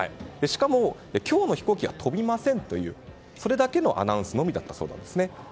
しかも、今日の飛行機は飛びませんというそれだけのアナウンスのみだったそうです。